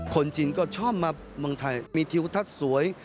คนจีนก็ชอบมาเมืองไทยมีทิวทัศน์สวย